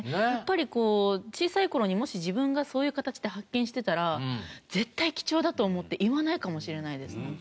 やっぱりこう小さい頃にもし自分がそういう形で発見してたら絶対貴重だと思って言わないかもしれないです。